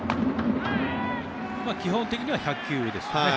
基本的には１００球ですね。